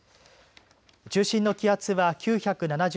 中心の気圧は９７０